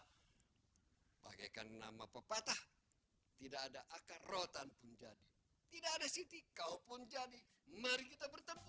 hai bagaikan nama pepatah tidak ada akar rotan pun jadi tidak ada siti kau pun jadi mari kita bertemu